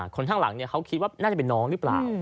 คนข้างหลังเขาคิดว่าน่าจะเป็นน้องหรือเปล่า